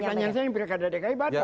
pertanyaan saya yang pekadai dki batal dong